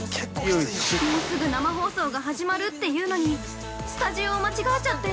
もうすぐ生放送が始まるっていうのにスタジオを間違えちゃって。